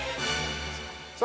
◆さあ